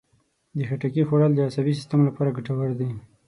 د خټکي خوړل د عصبي سیستم لپاره ګټور دي.